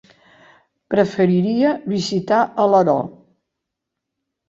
Preferiria visitar Alaró.